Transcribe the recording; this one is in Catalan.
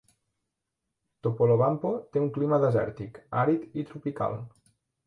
Topolobampo té un clima desèrtic, àrid i tropical.